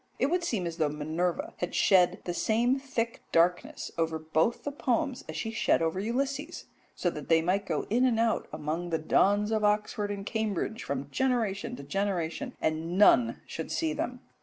It would seem as though Minerva had shed the same thick darkness over both the poems as she shed over Ulysses, so that they might go in and out among the dons of Oxford and Cambridge from generation to generation, and none should see them.